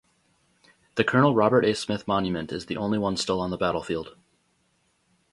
The Colonel Robert A. Smith Monument is the only one still on the battlefield.